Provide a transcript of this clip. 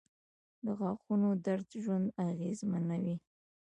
• د غاښونو درد ژوند اغېزمنوي.